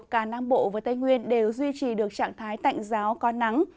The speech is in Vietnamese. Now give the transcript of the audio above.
cả nam bộ và tây nguyên đều duy trì được trạng thái tạnh giáo có nắng